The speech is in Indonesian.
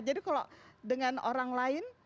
jadi kalau dengan orang lain